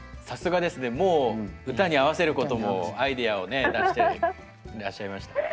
さすがですねもう歌に合わせることもアイデアをね出していらっしゃいました。